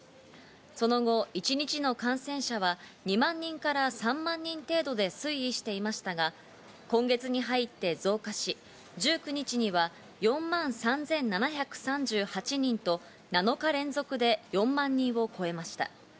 その後一日の感染者は２万人から３万人程度で推移していましたが、今月に入って増加し、１９日には４万３７３８人と、７日連続で４万人を超えました。